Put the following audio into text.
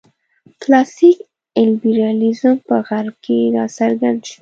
کلاسیک لېبرالېزم په غرب کې راڅرګند شو.